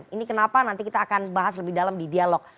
ini kenapa nanti kita akan bahas lebih dalam di dialog